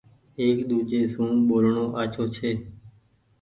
ايڪ ۮوجهي سون ٻولڻو آڇو ڇي۔